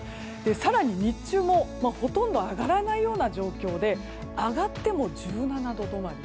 更に、日中もほとんど上がらないような状況で上がっても１７度止まり。